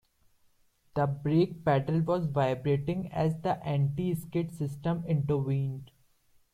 The brake pedal was vibrating as the anti-skid system intervened.